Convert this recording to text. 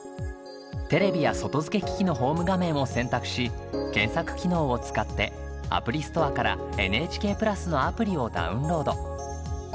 テレビや外付け機能のホーム画面を選択し検索機能を使ってアプリストアからＮＨＫプラスのアプリをダウンロード。